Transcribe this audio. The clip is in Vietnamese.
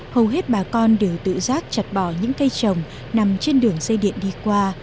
hầu hết bà con đều tự giác chặt bỏ những cây trồng nằm trên đường dây điện đi qua